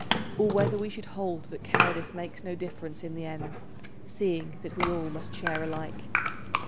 Or whether we should hold that cowardice makes no difference in the end, seeing that we all must share alike?"